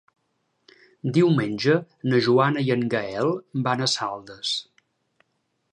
Diumenge na Joana i en Gaël van a Saldes.